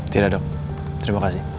tidak dok terima kasih